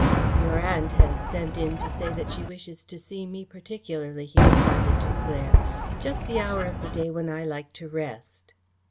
"Your aunt has sent in to say that she wishes to see me particularly," he confided to Claire. "Just the hour of the day when I like to rest!"